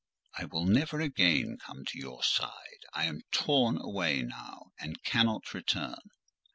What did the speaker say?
"I will never again come to your side: I am torn away now, and cannot return."